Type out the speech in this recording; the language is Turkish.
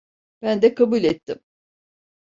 Ben de kabul ettim.